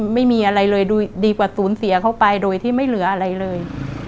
ไม่มีอะไรเลยดีกว่าศูนย์เสียเขาไปโดยที่ไม่เหลืออะไรเลย